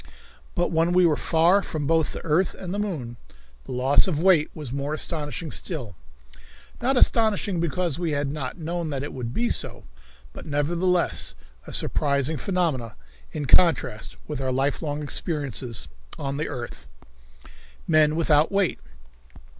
But when we were far from both the earth and the moon, the loss of weight was more astonishing still not astonishing because we had not known that it would be so, but nevertheless a surprising phenomenon in contrast with our lifelong experience on the earth. Men Without Weight.